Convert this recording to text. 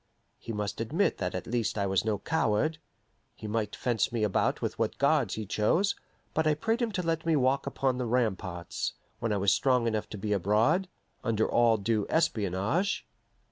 He must admit that at least I was no coward. He might fence me about with what guards he chose, but I prayed him to let me walk upon the ramparts, when I was strong enough to be abroad, under all due espionage.